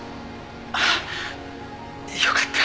あよかった。